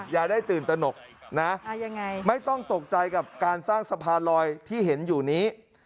อย่าได้ตื่นตนกนะไม่ต้องตกใจกับการสร้างสะพานลอยที่เห็นอยู่นี้